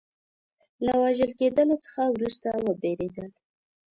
له وژل کېدلو څخه وروسته وبېرېدل.